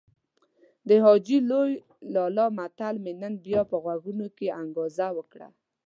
د حاجي لوی لالا متل مې نن بيا په غوږونو کې انګازه وکړه.